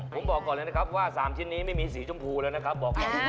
ผมบอกก่อนเลยนะครับว่า๓ชิ้นนี้ไม่มีสีชมพูแล้วนะครับบอกก่อน